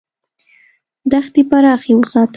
دښتې پراخې وساته.